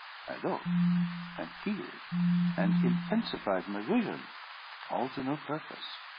I looked, and peered, and intensified my vision, all to no purpose.